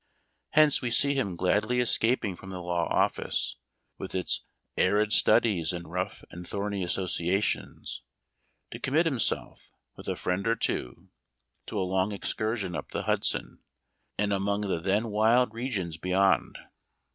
Hence we see him gladly escaping from the law office, with its arid studies and rough and thorny associations, to commit himself, with a friend or two, to a long excursion up the Hud son, and among the then wild regions beyond.